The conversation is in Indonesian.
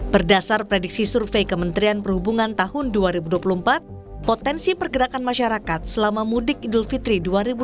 berdasar prediksi survei kementerian perhubungan tahun dua ribu dua puluh empat potensi pergerakan masyarakat selama mudik idul fitri dua ribu dua puluh